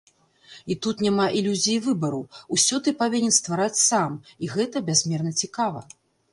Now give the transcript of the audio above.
І тут няма ілюзіі выбару, усё ты павінен ствараць сам, і гэта бязмерна цікава.